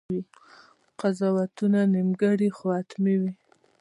قضاوتونه نیمګړي خو حتماً وي.